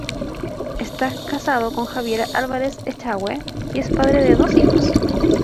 Está casado con Javiera Álvarez Echagüe y es padre de dos hijos.